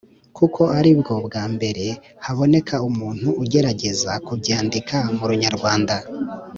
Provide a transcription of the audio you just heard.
kuko aribwo bwambere haboneka umuntu ugerageza kubyandika mu runyarwanda,